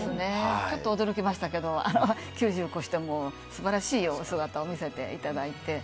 ちょっと驚きましたけど９０を超しても素晴らしいお姿を見せていただいて。